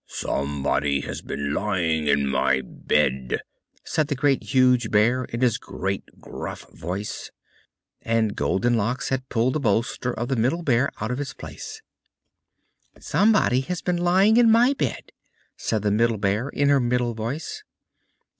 "SOMEBODY HAS BEEN LYING IN MY BED!" said the Great, Huge Bear, in his great, rough, gruff voice. And Goldenlocks had pulled the bolster of the Middle Bear out of its place. "SOMEBODY HAS BEEN LYING IN MY BED!" said the Middle Bear, in her middle voice.